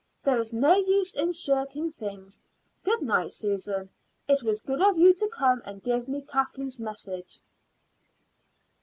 There is no use in shirking things. Good night, Susan. It was good of you to come and give me Kathleen's message."